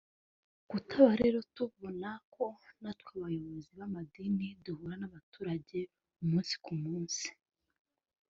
tukaba rero tubona ko natwe abayobozi b’amadini duhura n’abaturage umunsi k’umunsi